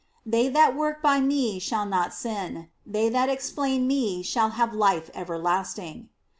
"They that work by me shall not sin. ... They that explain me shall have life everlasting."